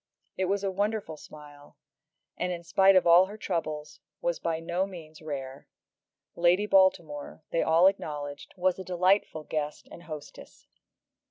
It was a wonderful smile, and, in spite of all her troubles, was by no means rare. Lady Baltimore, they all acknowledged, was a delightful guest and hostess.